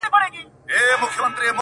نه مي قهوې بې خوبي يو وړه نه ترخو شرابو!